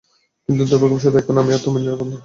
কিন্তু দূর্ভাগ্যবশত, এখন আর তুমি নিরাপদ নও।